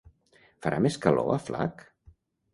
Farà més calor a Flag?